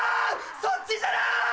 そっちじゃない！